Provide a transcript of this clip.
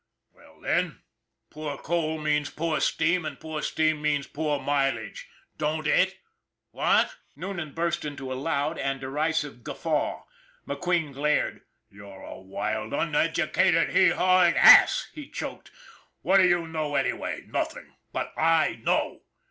Well then, poor coal means poor steam, and poor steam means poor mileage, don't, it, what?" Noonan burst into a loud and derisive guffaw. McQueen glared. " You're a wild, uneducated, hee hawing ass !" he choked. " What do you know, anyway? Nothing! But I know!